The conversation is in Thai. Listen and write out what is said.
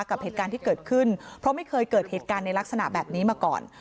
กับเหตุการณ์ที่เกิดขึ้นเพราะไม่เคยเกิดเหตุการณ์ในลักษณะแบบนี้มาก่อน